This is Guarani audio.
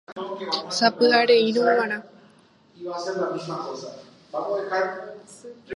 sapy'areírõ g̃uarã